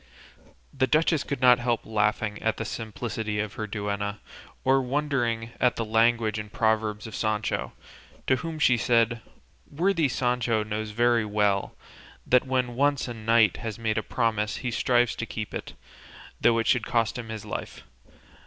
The duchess could not help laughing at the simplicity of her duenna, or wondering at the language and proverbs of Sancho, to whom she said, "Worthy Sancho knows very well that when once a knight has made a promise he strives to keep it, though it should cost him his life.